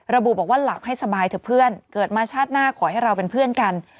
ระบุบอกว่าหลับให้สบายเถอะเพื่อนเกิดมาชาติหน้าขอให้เราเป็นเพื่อนกัน